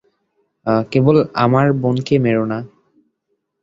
কেবল আমার বোনকে মেরো না।